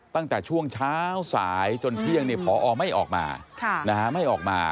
ตั้งแต่ช่วงเช้าสายจนเที่ยงพอไม่ออกมา